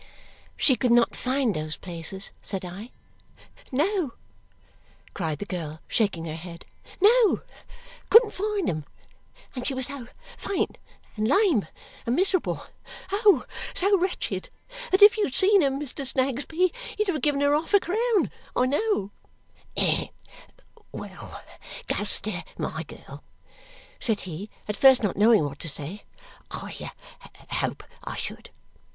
"She could not find those places," said I. "No!" cried the girl, shaking her head. "No! Couldn't find them. And she was so faint, and lame, and miserable, Oh so wretched, that if you had seen her, Mr. Snagsby, you'd have given her half a crown, I know!" "Well, Guster, my girl," said he, at first not knowing what to say. "I hope I should."